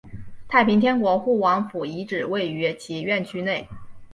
太平天国护王府遗址位于其院区内。